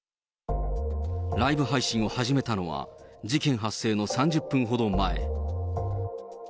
ライブ配信を始めたのは、事件発生の３０分ほど前。